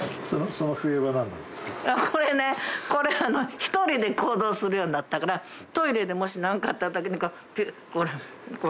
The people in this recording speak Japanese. これね一人で行動するようになったからトイレでもし何かあったときに。